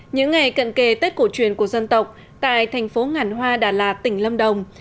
những ngày cận kề tết cổ truyền của dân tộc tại thành phố ngàn hoa đà lạt tỉnh lâm đồng